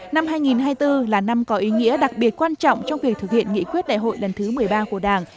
năm hai nghìn hai mươi bốn là năm có ý nghĩa đặc biệt quan trọng trong việc thực hiện nghị quyết đại hội lần thứ một mươi ba của đảng